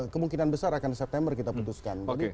kemungkinan besar akan di september kita putuskan